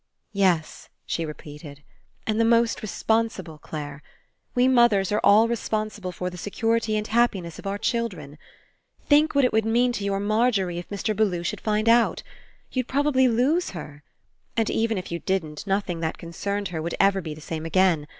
"Yes," she repeated, "and the most responsible, Clare. We mothers are all responsible for the security and happi ness of our children. Think what it would mean to your Margery if Mr. Bellew should find out. You'd probably lose her. And even if you didn't, nothing that concerned her would ever be the same again.